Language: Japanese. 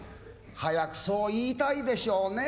早くそう言いたいでしょうね